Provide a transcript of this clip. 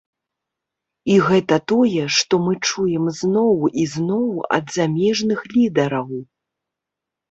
І гэта тое, што мы чуем зноў і зноў ад замежных лідараў.